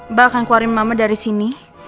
mbak akan keluarin mama dari sini